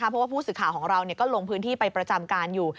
เพราะว่าผู้สื่อข่าวของเราก็ลงพื้นที่ไปประจำการอยู่